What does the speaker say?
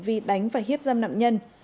vì đánh và hiếp dâm nạn nhân